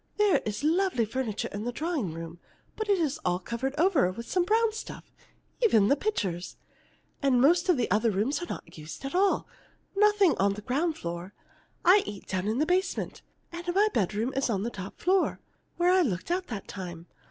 There is lovely furniture in the drawing room, but it is all covered over with some brown stuff even the pictures. And most of the other rooms are not used at all nothing on the ground floor. I eat down in the basement, and my bedroom is on the top floor where I looked out that time.